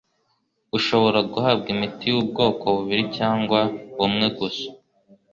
ushobora guhabwa imiti y'ubwoko bubiri cyangwa bumwe gusa